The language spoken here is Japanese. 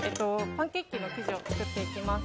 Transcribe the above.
パンケーキの生地を作っていきます。